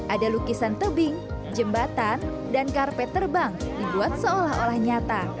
ada lukisan tebing jembatan dan karpet terbang dibuat seolah olah nyata